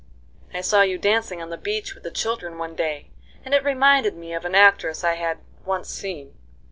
"I saw you dancing on the beach with the children one day, and it reminded me of an actress I had once seen.